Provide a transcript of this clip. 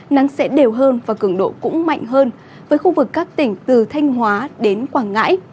nắng sẽ đều hơn và cường độ cũng mạnh hơn với khu vực các tỉnh từ thanh hóa đến quảng ngãi